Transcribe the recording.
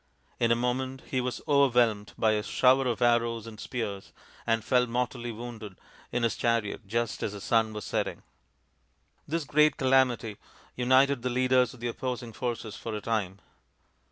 In a moment he was overwhelmed by a shower of arrows and spears and fell mortally wounded in his chariot just as the sun was setting. This great calamity united the leaders of the opposing forces for a time.